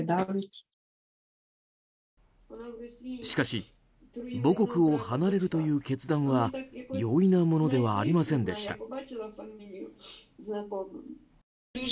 しかし母国を離れるという決断は容易なものではありませんでした。